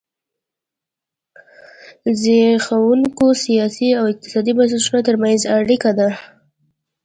د زبېښونکو سیاسي او اقتصادي بنسټونو ترمنځ اړیکه ده.